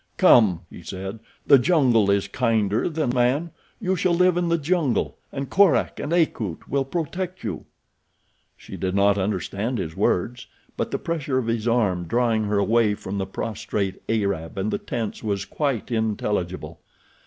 "Come," he said. "The jungle is kinder than man. You shall live in the jungle and Korak and Akut will protect you." She did not understand his words, but the pressure of his arm drawing her away from the prostrate Arab and the tents was quite intelligible.